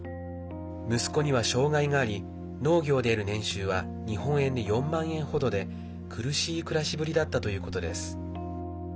息子には障害があり農業で得る年収は日本円で４万円ほどで苦しい暮らしぶりだったということです。